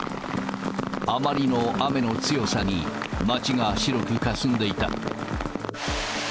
あまりの雨の強さに、街が白くかすんでいた。